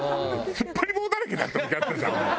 突っ張り棒だらけだった時あったじゃん。